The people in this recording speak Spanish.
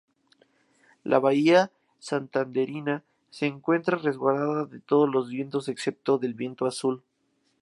La bahía santanderina se encuentra resguarda de todos los vientos excepto del viento sur.